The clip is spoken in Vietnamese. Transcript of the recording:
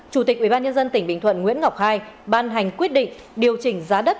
chủ tịch ubnd tỉnh bình thuận nguyễn ngọc hai ban hành quyết định điều chỉnh giá đất